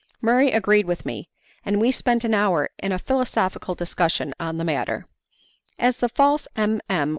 Murray agreed with me, and we spent an hour in a philosophical discussion on the matter. As the false M. M.